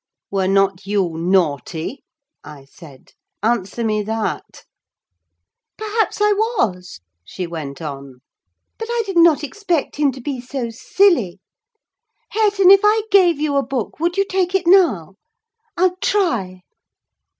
"Were not you naughty?" I said; "answer me that." "Perhaps I was," she went on; "but I did not expect him to be so silly. Hareton, if I gave you a book, would you take it now? I'll try!"